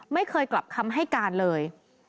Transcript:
ไม่เคยกลับคำให้การเลย